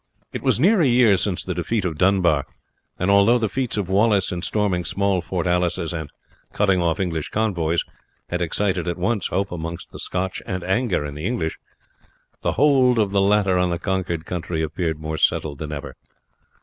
It was near a year since the defeat of Dunbar; and although the feats of Wallace in storming small fortalices and cutting off English convoys had excited at once hope amongst the Scotch and anger in the English, the hold of the latter on the conquered country appeared more settled than ever.